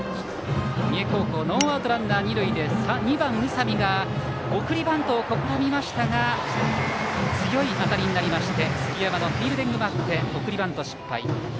三重高校はノーアウトランナー、二塁で２番、宇佐美が送りバントを試みましたが強い当たりになりまして杉山のフィールディングもあって送りバント失敗。